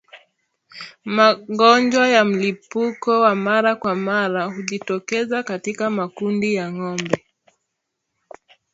Magonjwa ya mlipuko wa mara kwa mara hujitokeza katika makundi ya ngombe